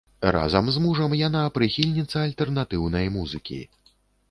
Разам з мужам яна прыхільніца альтэрнатыўнай музыкі.